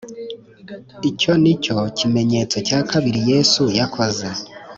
Icyo ni cyo kimenyetso cya kabiri Yesu yakoze